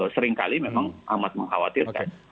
seringkali memang amat mengkhawatirkan